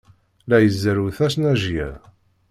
La izerrew tasnajya.